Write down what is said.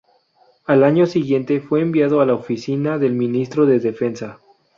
Al año siguiente, fue enviado a la Oficina del Ministro de Defensa.